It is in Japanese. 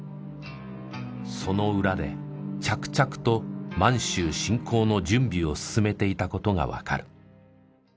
その裏で着々と満州侵攻の準備を進めていたことがわかる。